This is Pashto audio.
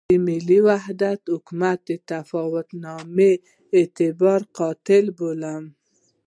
د ملي وحدت حکومت تفاهمنامه د اعتبار قتل بولم.